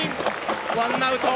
ワンアウト。